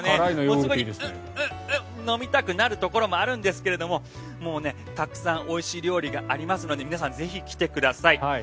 すぐに飲みたくなるところもあるんですがもうね、たくさんおいしい料理がありますので皆さんぜひ来てください。